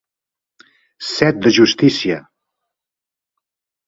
Set de justícia.